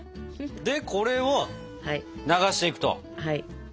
でこれを流していくと。